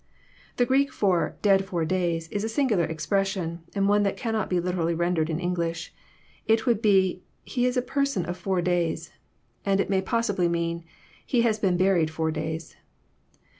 The Greek for "dead four days," is a singular expression, and one that cannot be literally rendered in English. It would be •*He is a person of four days, and it may possibly mean, " He has been buried four days."